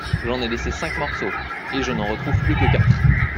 J’en ai laissé cinq morceaux et je n’en retrouve plus que quatre !…